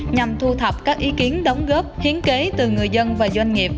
nhằm thu thập các ý kiến đóng góp hiến kế từ người dân và doanh nghiệp